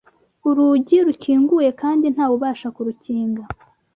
urugi rukinguye kandi nta wubasha kurukinga